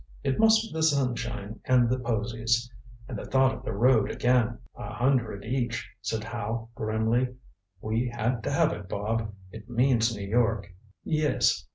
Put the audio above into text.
It must be the sunshine and the posies. And the thought of the road again." "A hundred each," said Howe grimly. "We had to have it, Bob. It means New York." "Yes."